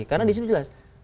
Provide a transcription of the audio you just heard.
karena disitu jelas